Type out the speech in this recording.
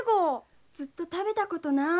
ずっと食べたことない。